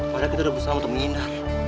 padahal kita udah bersama temennya